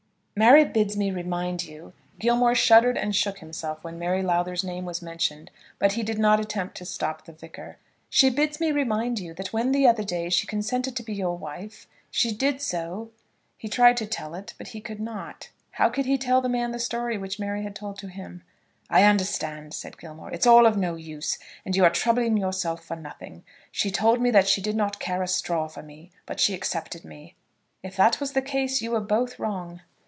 "Mary bids me remind you," Gilmore shuddered and shook himself when Mary Lowther's name was mentioned, but he did not attempt to stop the Vicar, "she bids me remind you that when the other day she consented to be your wife, she did so ." He tried to tell it all, but he could not. How could he tell the man the story which Mary had told to him? "I understand," said Gilmore. "It's all of no use, and you are troubling yourself for nothing. She told me that she did not care a straw for me; but she accepted me." "If that was the case, you were both wrong."